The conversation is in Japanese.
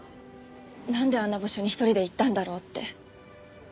なんであんな場所に一人で行ったんだろうって。